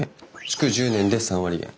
築１０年で３割減。